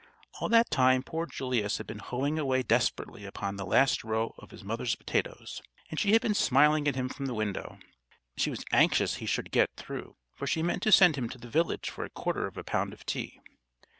All that time poor Julius had been hoeing away desperately upon the last row of his mother's potatoes, and she had been smiling at him from the window. She was anxious he should get through, for she meant to send him to the village for a quarter of a pound of tea.